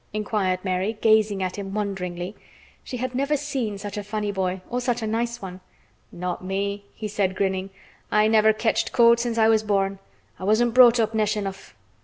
inquired Mary, gazing at him wonderingly. She had never seen such a funny boy, or such a nice one. "Not me," he said, grinning. "I never ketched cold since I was born. I wasn't brought up nesh enough.